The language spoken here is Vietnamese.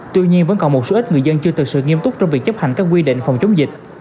tuy nhiên vẫn còn một số ít người dân chưa thực sự nghiêm túc trong việc chấp hành các quy định phòng chống dịch